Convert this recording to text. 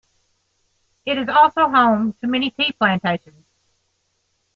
It is also home to many tea plantations.